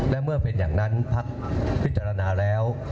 และเมื่อเป็นอย่างนั้นพักพิจารณาแล้ว